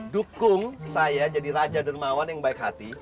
dukung saya jadi raja dermawan yang baik hati